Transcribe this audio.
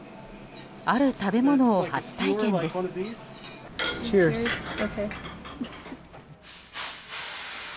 ある食べ物を初体験です。